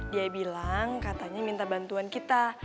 dia bilang katanya minta bantuan kita